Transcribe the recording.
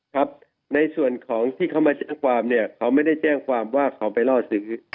ครับในส่วนของที่เขามาแจ้งความเนี่ยเขาไม่ได้แจ้งความว่าเขาไปล่อซื้อ